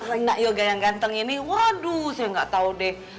enak yoga yang ganteng ini waduh saya nggak tahu deh